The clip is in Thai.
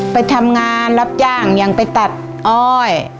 ไปทำงานรับจ้างยังไปตัดอ้อย